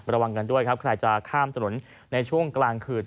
ระวังกันด้วยครับใครจะข้ามถนนในช่วงกลางคืน